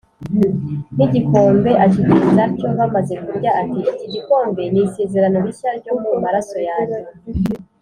n’igikombe akigenza atyo, bamaze kurya ati, iki gikombe ni isezerano rishya ryo mu maraso yanjye,